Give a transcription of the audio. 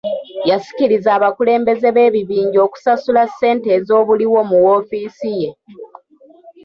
Yasikirizza abakulembeze b'ebibinja okusasula ssente ezoobuliwo mu woofiisi ye.